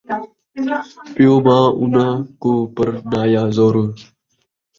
پیوء ماء اونکوں پرنایا زوری